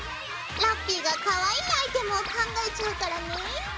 ラッピィがかわいいアイテムを考えちゃうからね。